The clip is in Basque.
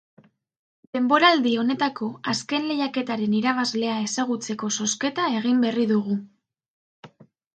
Denboraldi honetako azken lehiaketaren irabazlea ezagutzeko zozketa egin berri dugu.